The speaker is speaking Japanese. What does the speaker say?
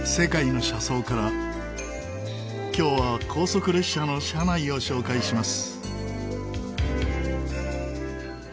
今日は高速列車の車内を紹介します。